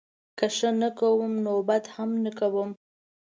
که ښه نه کوم نوبدهم نه کوم